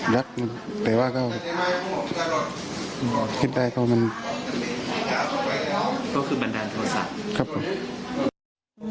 รักแต่ว่าก็คิดได้ก็มันก็คือบรรดาโทษศาสตร์ครับผม